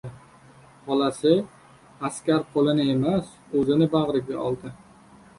Xolasi askar qo‘lini emas, o‘zini bag‘riga oldi.